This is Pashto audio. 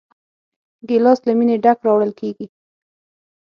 ګیلاس له مینې ډک راوړل کېږي.